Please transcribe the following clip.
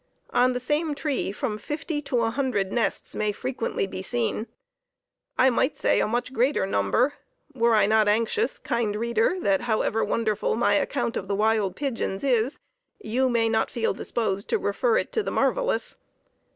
On the same tree from fifty to a hundred nests may frequently be seen: I might say a much greater number, were I not anxious, kind reader, that however wonderful my account of the wild pigeons is, you may not feel disposed to refer it to the marvelous.